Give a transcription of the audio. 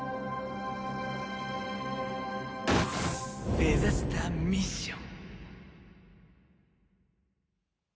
デザスターミッション。